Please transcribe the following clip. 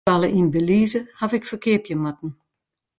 Myn dûkskoalle yn Belize haw ik ferkeapje moatten.